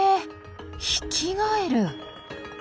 ヒキガエル。